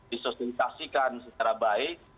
disosialisasikan secara baik